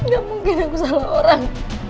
gak mungkin aku sama orang